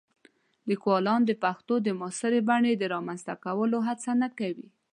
لیکوالان د پښتو د معاصرې بڼې د رامنځته کولو هڅه نه کوي.